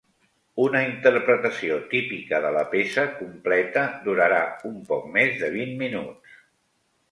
Una interpretació típica de la peça completa durarà un poc més de vint minuts.